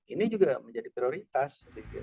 ini juga menjadi prioritas